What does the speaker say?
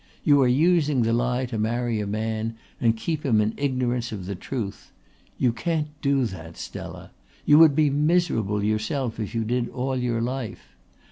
You are using the lie to marry a man and keep him in ignorance of the truth. You can't do that, Stella! You would be miserable yourself if you did all your life.